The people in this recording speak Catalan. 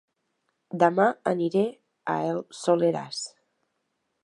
Dema aniré a El Soleràs